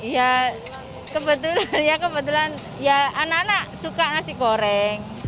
ya kebetulan ya kebetulan ya anak anak suka nasi goreng